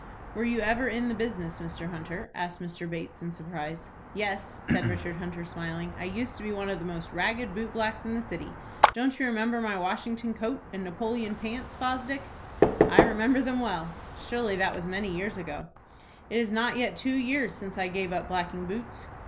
"Were you ever in the business, Mr. Hunter?" asked Mr. Bates, in surprise. "Yes," said Richard Hunter, smiling; "I used to be one of the most ragged boot blacks in the city. Don't you remember my Washington coat, and Napoleon pants, Fosdick?" "I remember them well." "Surely that was many years ago?" "It is not yet two years since I gave up blacking boots."